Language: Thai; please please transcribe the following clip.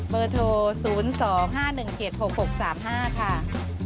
เบอร์โทร๐๒๕๑๗๖๖๓๕ค่ะ